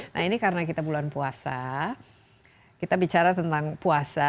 nah ini karena kita bulan puasa kita bicara tentang puasa